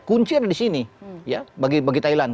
kunci ada di sini ya bagi thailand